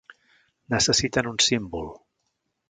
Necessiten un símbol.